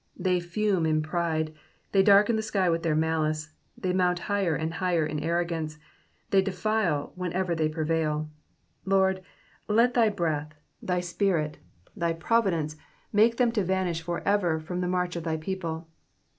They fume ia pride, they darken the sky with their malice, they mount higher and higher in arrogance, they defile wherever they prevail. Lord, let thy breath, thy Spirit, thy Providence, make them to vanish for ever from the march of thy people.